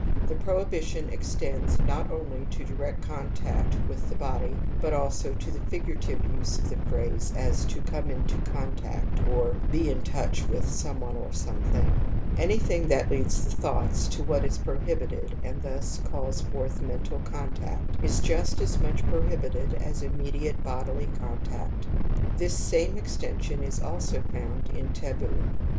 The prohibition extends not only to direct contact with the body but also to the fig urative use of the phrase as * to come into con tact ' or * be in touch with some one or some ^/ ■I \\_ c .' K \ 46 TOTEM AND TABOO thing '.( Anything that leads the thoughts to what is prohibited and thus calls forth mental ^"^ contact is just as much prohibited as immediate bodily contact ; this same extension is also .^und in taboo.